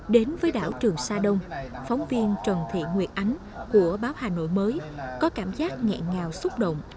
đến với đảo trường sa đông phóng viên trần thị nguyệt ánh của báo hà nội mới có cảm giác nghẹn ngào xúc động